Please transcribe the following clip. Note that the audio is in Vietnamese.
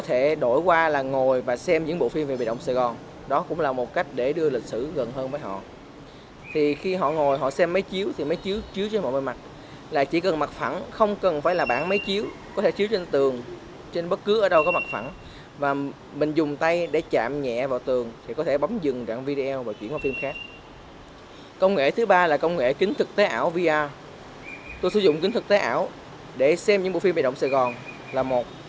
tôi sử dụng kính thực tế ảo để xem những bộ phim bài động sài gòn là một